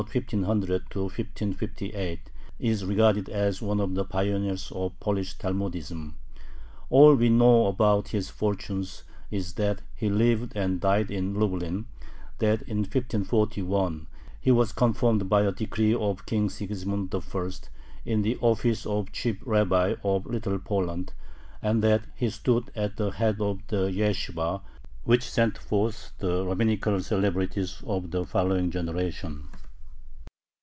1500 1558), is regarded as one of the pioneers of Polish Talmudism. All we know about his fortunes is that he lived and died in Lublin, that in 1541 he was confirmed by a decree of King Sigismund I. in the office of chief rabbi of Little Poland, and that he stood at the head of the yeshibah which sent forth the rabbinical celebrities of the following generation.